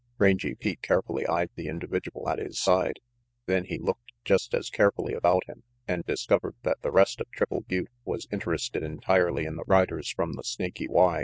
Rangy Pete carefully eyed the individual at his side. Then he looked just as carefully about him, and discovered that the rest of Triple Butte was interested entirely in the riders from the Snaky Y.